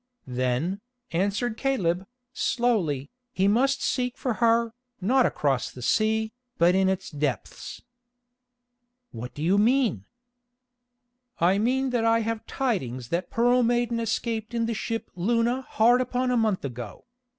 "Then," answered Caleb, slowly, "he must seek for her, not across the sea, but in its depths." "What do you mean?" "I mean that I have tidings that Pearl Maiden escaped in the ship Luna hard upon a month ago.